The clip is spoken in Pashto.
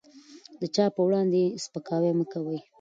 د چا په وړاندې سپکاوی مه کوئ.